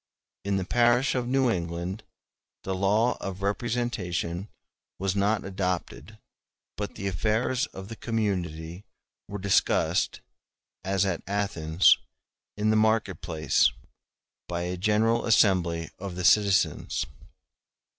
*e In the parish of New England the law of representation was not adopted, but the affairs of the community were discussed, as at Athens, in the market place, by a general assembly of the citizens.